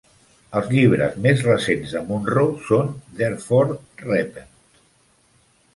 Els llibres més recents de Munroe són "Therefore Repent!".